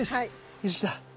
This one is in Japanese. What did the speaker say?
よしきた。